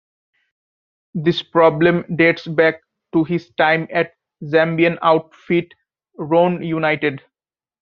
This problem dates back to his time at Zambian outfit Roan United.